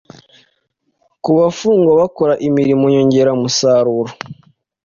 Ku bafungwa bakora imirimo nyongeramusaruro